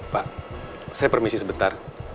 pak saya permisi sebentar